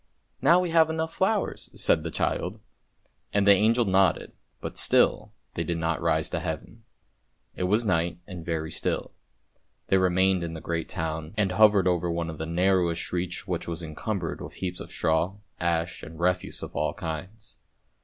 " Now we have enough flowers," said the child, and the angel nodded, but still they did not rise to Heaven. It was night, and very still; they remained in the great town, and hovered over one of the narrowest streets which was encumbered 98 THE ANGEL 99 with heaps of straw, ash, and refuse of all kinds.